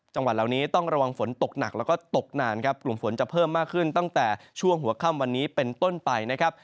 จังหวัดเหล่านี้ต้องระวังฝนตกหนักแล้วก็ตกนานครับกลุ่มฝนจะเพิ่มมากขึ้นตั้งแต่ช่วงหัวค่ำวันนี้เป็นต้นไปนะครับ